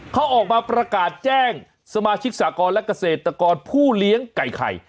เขาออกมาประกาศแจ้งสมาชิกสากรและเกษตรกรผู้เลี้ยงไก่ไข่